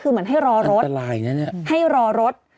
คือเหมือนให้รอรถให้รอรถ